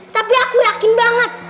tapi aku yakin banget